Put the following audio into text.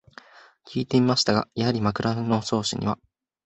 きいてみましたが、やはり「枕草子」には